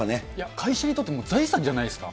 会社にとっても財産じゃないですか。